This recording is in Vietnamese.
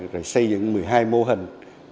rồi xây dựng một mươi hai mô hình